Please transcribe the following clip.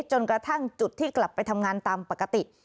จนกระทั่งจุดที่กลับไปทำงานตามปกติ